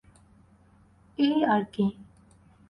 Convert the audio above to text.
এই আর কি।